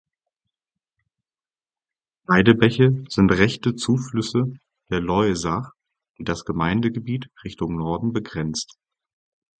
Beide Bäche sind rechte Zuflüsse der Loisach, die das Gemeindegebiet Richtung Norden begrenzt.